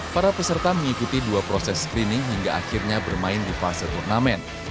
para peserta mengikuti dua proses screening hingga akhirnya bermain di fase turnamen